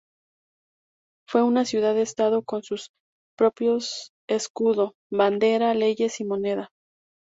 Fue una ciudad estado con sus propios escudo, bandera, leyes y moneda.